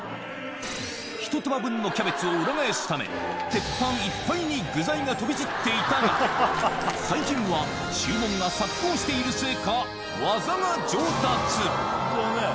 １玉分のキャベツを裏返すため、鉄板いっぱいに具材が飛び散っていたが、最近は、注文が殺到しているせいか、技が上達。